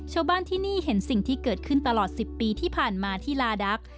ชาวบ้านที่นี่เห็นสิ่งที่เกิดขึ้นตลอด๑๐ปีที่ผ่านมาที่ลาดัก